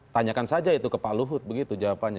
tanyakan saja itu ke pak luhut begitu jawabannya